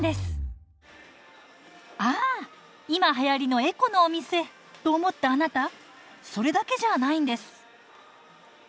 ああ今はやりのエコのお店と思ったあなたそれだけじゃないんです。